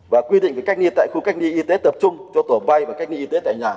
và quy định về cách ly tại khu cách ly y tế tập trung cho tổ bay và cách ly y tế tại nhà